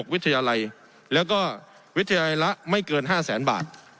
วิทยาลัยแล้วก็วิทยาลัยละไม่เกิน๕แสนบาท